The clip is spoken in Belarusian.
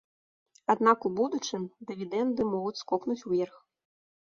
Аднак у будучым дывідэнды могуць скокнуць уверх.